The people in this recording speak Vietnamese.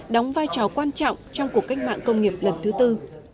đóng vai trò quan trọng trong cuộc cách mạng công nghiệp lần thứ tư